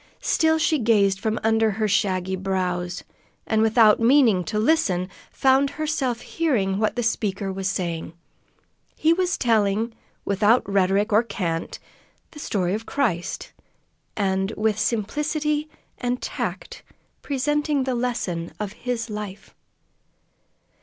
Still she gazed from under her shaggy brows, and, without meaning to listen, found herself hearing what the speaker was saying. He was telling without rhetoric or cant the story of Christ, and with simplicity and tact presenting the lesson of His life.